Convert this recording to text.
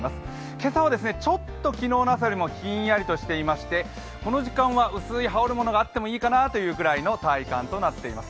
今朝はちょっと昨日の朝よりひんやりしていましてこの時間は薄い羽織るものがあってもいいかなというくらいの体感冠となっています。